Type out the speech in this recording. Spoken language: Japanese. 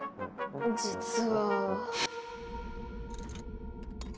実は。